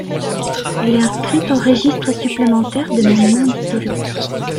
Elle est inscrite au registre supplémentaire des Monuments historiques.